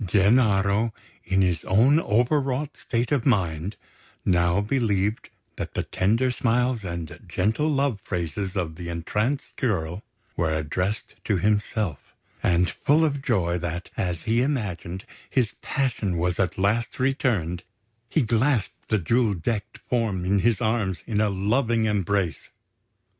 Gennaro, in his own over wrought state of mind, now believed that the tender smiles and gentle love phrases of the entranced girl were addressed to himself; and, full of joy that, as he imagined, his passion was at last returned, he clasped the jewel decked form in his arms in a loving embrace.